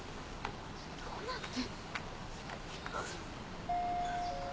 どうなってんの？